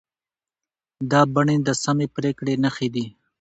دا بڼې د سمې پرېکړې نښې دي.